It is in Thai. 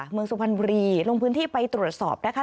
สุพรรณบุรีลงพื้นที่ไปตรวจสอบนะคะ